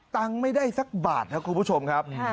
ตังค์ไม่ได้สักบาทครับคุณผู้ชมครับ